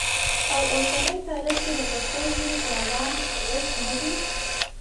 او اوسني تاریخ کي د پښتو ژبې شاعران که لږ نه دي